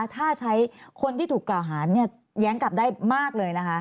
ถ้าใช้คนที่ถูกกล่าวหาแย้งกลับได้มากเลยนะคะ